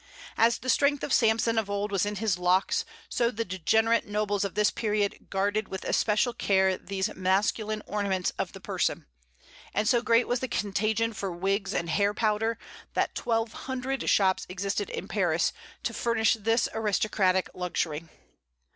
As the strength of Samson of old was in his locks, so the degenerate nobles of this period guarded with especial care these masculine ornaments of the person; and so great was the contagion for wigs and hair powder, that twelve hundred shops existed in Paris to furnish this aristocratic luxury.